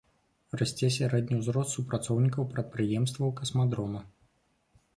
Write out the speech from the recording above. Расце сярэдні ўзрост супрацоўнікаў прадпрыемстваў касмадрома.